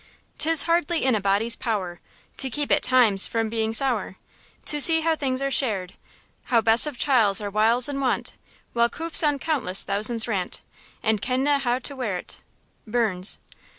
'Tis hardly in a body's power, To keep at times frae being sour, To see how things are shared; How best o'chiels are whiles in want, While coofs on countless thousands rant, And ken na how to wear 't. –BURNS.